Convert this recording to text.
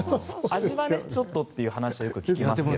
味はちょっとという話を聞きますけど。